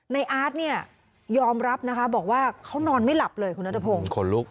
อาร์ตเนี่ยยอมรับนะคะบอกว่าเขานอนไม่หลับเลยคุณนัทพงศ์